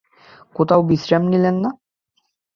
কোথাও বিশ্রাম নিলেন না।